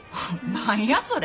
何やそれ。